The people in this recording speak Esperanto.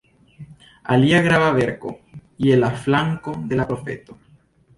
Alia grava verko: "Je la flanko de la profeto.